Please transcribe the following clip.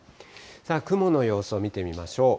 雲の様子を見てみましょう。